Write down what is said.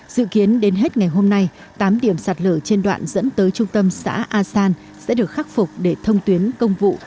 dự kiến đến hết ngày hôm nay tám điểm sạt lở trên đoạn dẫn tới trung tâm xã a san sẽ được khắc phục để thông tuyến công vụ